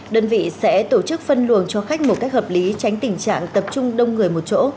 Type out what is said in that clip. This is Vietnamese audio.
đơn vị sẽ tổ chức phân luồng cho khách một cách hợp lý tránh tình trạng tập trung đông người một chỗ